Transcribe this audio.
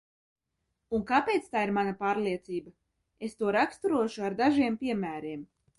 Un kāpēc tā ir mana pārliecība, es to raksturošu ar dažiem piemēriem.